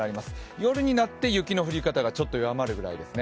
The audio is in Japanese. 夜になって雪の降り方が少し弱まるくらいですね。